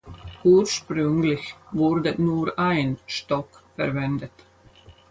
Ursprünglich wurde nur ein Stock verwendet.